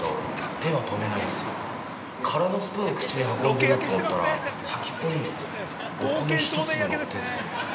手は止めないんですよ。からのスプーン、口に運んでると思ったら、先っぽにお米一粒のってるんですよ。